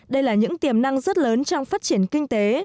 đây là những tiềm năng rất lớn trong phát triển kinh tế